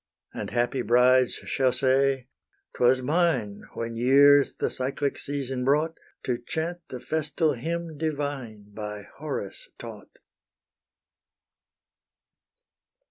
And happy brides shall say, "'Twas mine, When years the cyclic season brought, To chant the festal hymn divine By HORACE taught."